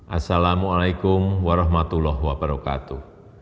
assalamu'alaikum warahmatullahi wabarakatuh